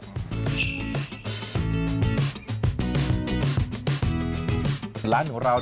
ที่เราบอกว่ามีหลายอย่างไม่ได้มีแต่กะปิอย่างเดียว